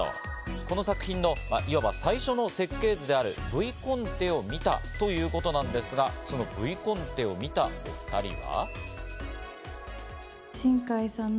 この作品のいわば最初の設計図であるＶコンテを見たということなんですが、そのＶコンテを見たお２人は。